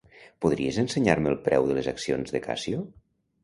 Podries ensenyar-me el preu de les accions de Casio?